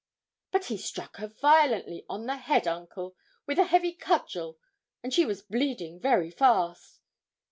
'But he struck her violently on the head, uncle, with a heavy cudgel, and she was bleeding very fast.'